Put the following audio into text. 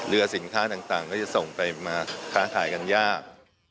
เรือสินค้าต่างก็จะส่งไปมาค้าขายกันยาก